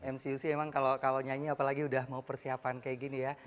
mcuc emang kalau nyanyi apalagi udah mau persiapan kayak gini ya